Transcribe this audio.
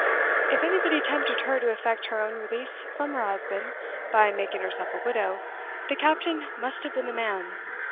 If anybody tempted her to effect her own release from her husband by making herself a widow, the captain must have been the man.